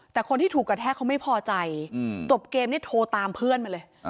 แต่คนที่ถูกกระแทกเขาไม่พอใจจบเกมนี่โทรตามเพื่อนมาเลย